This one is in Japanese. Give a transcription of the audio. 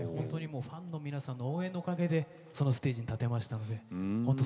ファンの皆さんの応援のおかげでそのステージに立つことができました。